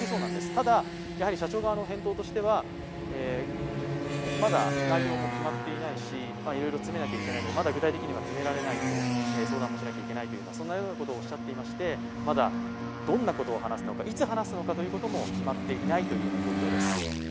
ただ、やはり社長側の返答としてはまだ内容も決まっていないしいろいろ詰めないといけないのでまだ決められないと相談もしなきゃいけないというようなこともおっしゃっていてまだどんなことを話すのか、いつ話すのかということも決まっていないような状況です。